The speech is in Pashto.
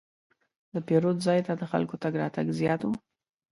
د پیرود ځای ته د خلکو تګ راتګ زیات و.